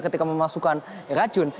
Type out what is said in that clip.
ketika memasukkan racun